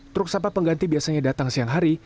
truk sampah pengganti biasanya datang siang hari